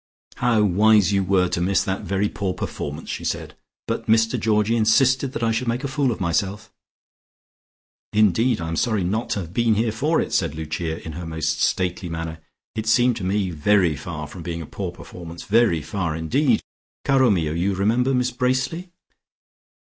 "How wise you were to miss that very poor performance," she said. "But Mr Georgie insisted that I should make a fool of myself." "Indeed, I am sorry not to have been here for it," said Lucia in her most stately manner. "It seemed to me very far from being a poor performance, very far indeed. Caro mio, you remember Miss Bracely."